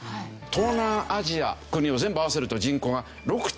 東南アジアの国を全部合わせると人口が６．７億人。